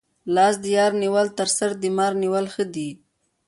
لاس د یار نیول تر سر د مار نیولو ښه دي.